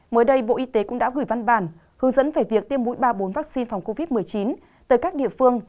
mới đây bộ y tế cũng đã gửi văn bản hướng dẫn về việc tiêm mũi ba bốn vaccine phòng covid một mươi chín tới các địa phương